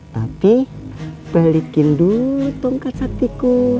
tapi balikin dulu tongkat saktiku